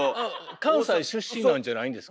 関西出身なんじゃないんですか？